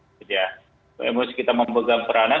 ada peranan gitu ya emosi kita memegang peranan